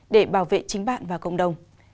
để bảo vệ chính bạn và cộng đồng